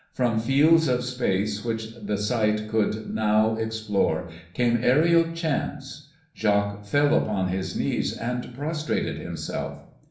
From fields of space which the sight could now explore came aerial chants. Jacques fell upon his knees and prostrated himself.